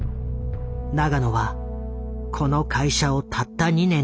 永野はこの会社をたった２年で辞めた。